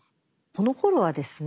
このころはですね